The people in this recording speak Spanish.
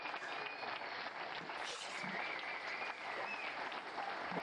Fue el máximo anotador, reboteador y taponador de su selección.